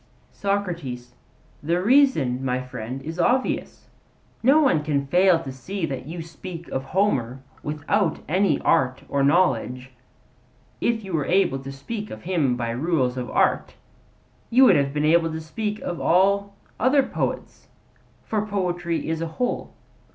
SOCRATES: The reason, my friend, is obvious. No one can fail to see that you speak of Homer without any art or knowledge. If you were able to speak of him by rules of art, you would have been able to speak of all other poets; for poetry is a whole.